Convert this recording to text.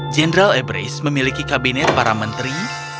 general abrax memiliki kabinet para menteri